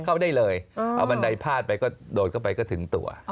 เข้าได้เลยเอาบันไดพาดไปก็โดดเข้าไปก็ถึงตัว